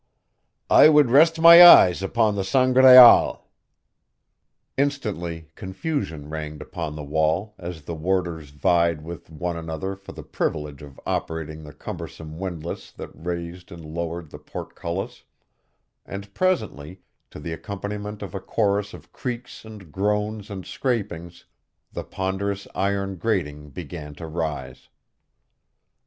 "I would rest my eyes upon the Sangraal." Instantly, confusion reigned upon the wall as the warders vied with one another for the privilege of operating the cumbersome windlass that raised and lowered the portcullis, and presently, to the accompaniment of a chorus of creaks and groans and scrapings, the ponderous iron grating began to rise.